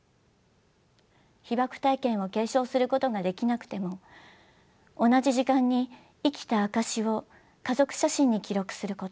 被爆体験を継承することができなくても同じ時間に生きた証しを家族写真に記録すること。